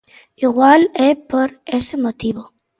Igual é por ese motivo.